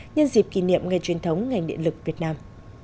nhân dịp kỷ niệm ngày truyền thống ngành điện lực việt nam